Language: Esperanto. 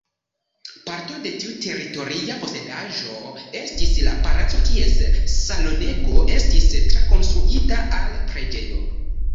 Parto de tiu teritoria posedaĵo estis la palaco kies salonego estis trakonstruita al preĝejo.